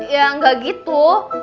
ya gak gitu